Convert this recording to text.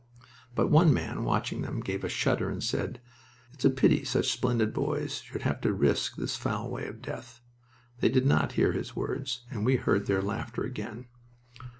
But one man watching them gave a shudder and said, "It's a pity such splendid boys should have to risk this foul way of death." They did not hear his words, and we heard their laughter again.